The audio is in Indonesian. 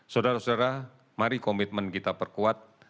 saudara saudara mari komitmen kita perkuat